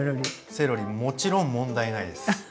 セロリもちろん問題ないです！